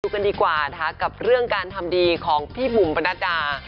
ดูกันดีกว่านะครับกับเรื่องการทำดีของพี่บุ๋มประนาจารย์